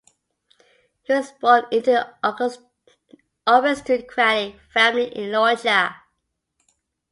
He was born into an aristocratic family in Loja.